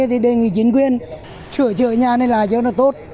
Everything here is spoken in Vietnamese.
thì đề nghị chính quyền sửa chữa nhà này là cho nó tốt